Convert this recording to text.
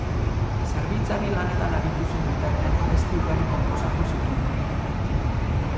Zerbitzari lanetan aritu zen bitartean abesti ugari konposatu zituen.